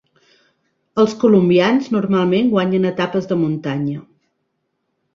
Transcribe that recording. Els colombians normalment guanyen etapes de muntanya.